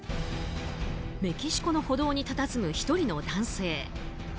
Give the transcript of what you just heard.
メキシコの歩道にたたずむ１人の男性。